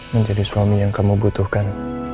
menjadi suami yang kamu butuhkan